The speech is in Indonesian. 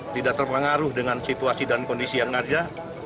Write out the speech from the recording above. tidak terpengaruh dengan situasi dan kondisi yang ada